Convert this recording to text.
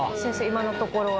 今のところは。